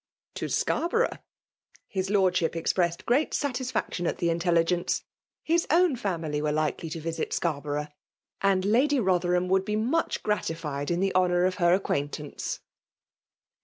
<vTo Scarborough?"' His Lordship cist pressed great satisfiiction at the intelligence. Ha . own family were likely to visit Scarl borough; and Lady Botherham would be ^Mfih gratified in the honor of her acquiuntt wee.